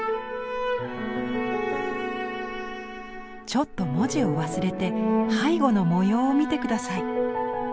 ちょっと文字を忘れて背後の模様を見て下さい。